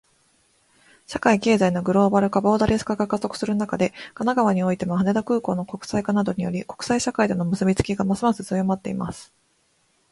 社会・経済のグローバル化、ボーダレス化が加速する中で、神奈川においても、羽田空港の国際化などにより、国際社会との結びつきがますます強まっています。